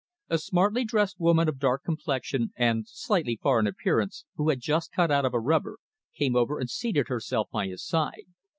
A smartly dressed woman of dark complexion and slightly foreign appearance, who had just cut out of a rubber, came over and seated herself by his side.